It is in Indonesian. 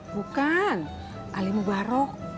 bukan ali mubarok